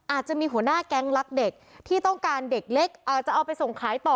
อาจจะมีหัวหน้าแก๊งรักเด็กที่ต้องการเด็กเล็กอาจจะเอาไปส่งขายต่อ